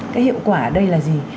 cái hiệu quả ở đây là gì